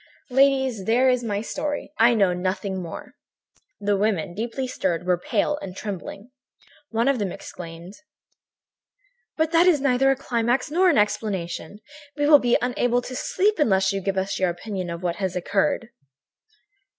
"Ladies, there is my story. I know nothing more." The women, deeply stirred, were pale and trembling. One of them exclaimed: "But that is neither a climax nor an explanation! We will be unable to sleep unless you give us your opinion of what had occurred."